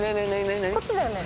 こっちだよね？